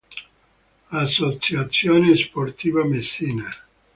Associazione Sportiva Messina